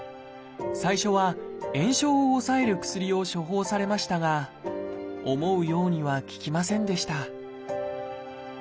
最初は炎症を抑える薬を処方されましたが思うようには効きませんでした